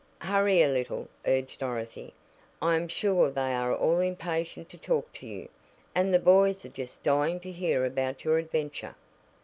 "Hurry a little," urged Dorothy. "I am sure they are all impatient to talk to you. And the boys are just dying to hear about your adventure."